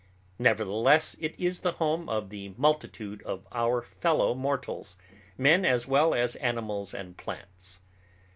Nevertheless it is the home of the multitude of our fellow mortals, men as well as animals and plants.